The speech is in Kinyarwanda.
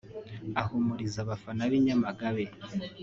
Ahumuriza abafana b’i Nyamagabe